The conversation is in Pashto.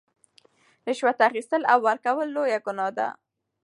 رشوت اخیستل او ورکول لویه ګناه ده.